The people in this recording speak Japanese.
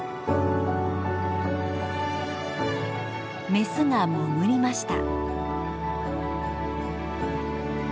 メスが潜りました。